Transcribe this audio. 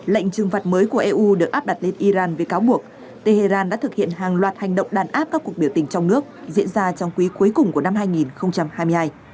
lệnh trừng phạt mới của eu được áp đặt lên iran với cáo buộc tehran đã thực hiện hàng loạt hành động đàn áp các cuộc biểu tình trong nước diễn ra trong quý cuối cùng của năm hai nghìn hai mươi hai